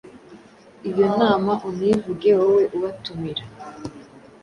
iyo nama. Univuge wowe ubatumira.